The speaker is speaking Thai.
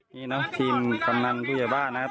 นี่เนอะทีมกำนันผู้ใหญ่บ้านนะครับ